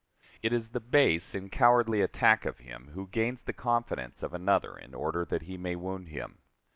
It is the base and cowardly attack of him who gains the confidence of another in order that he may wound him.